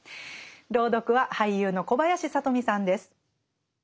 朗読は俳優の小林聡美さんです。